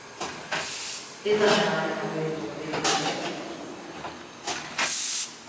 He d'anar al carrer de Topete a peu.